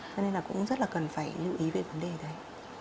cho nên là cũng rất là cần phải lưu ý về vấn đề đấy